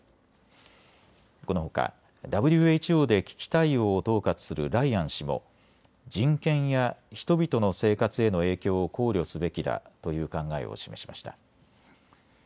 このほかＷＨＯで危機対応を統括するライアン氏も人権や人々の生活への影響を考慮すべきだという考えを示しました。